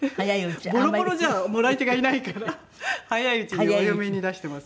ボロボロじゃもらい手がいないから早いうちにお嫁に出してます。